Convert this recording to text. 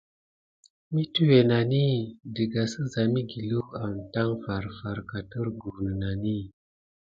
Mitiwé nenani dəga səza migueliw amtaŋ farfar, katerguh nənani.